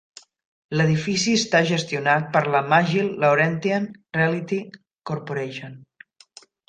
L'edifici està gestionat per la Magil Laurentian Realty Corporation.